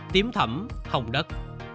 tiếm thẩm hồng đất